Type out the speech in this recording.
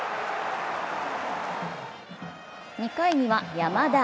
２回には山田。